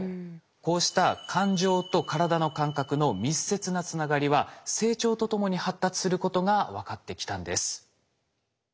こうした感情と体の感覚の密接なつながりは成長とともに発達することが分かってきたんです。